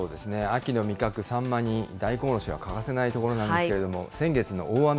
秋の味覚、さんまに大根おろしは欠かせないところなんですけれども、先月の大雨